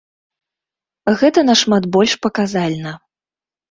Гэта нашмат больш паказальна.